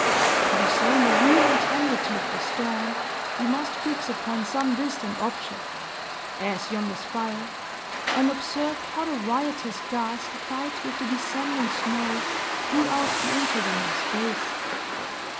To discern the real intensity of the storm, we must fix upon some distant object, as yonder spire, and observe how the riotous gust fights with the descending snow throughout the intervening space.